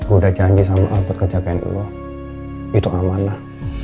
udah janji sama aku kejadian lu itu amanah